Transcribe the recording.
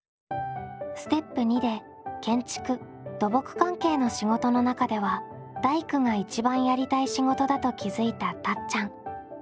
ステップ②で建築・土木関係の仕事の中では大工が一番やりたい仕事だと気付いたたっちゃん。